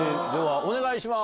お願いします。